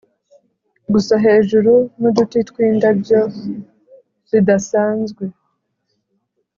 gusa hejuru nuduti twindabyo zidasanzwe